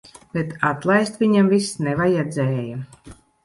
Bet atlaist viņam vis nevajadzēja.